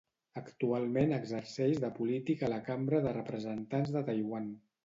Actualment exerceix de polític a la cambra de representants de Taiwan.